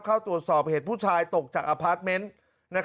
เข้าตรวจสอบเหตุผู้ชายตกจากอพาร์ทเมนต์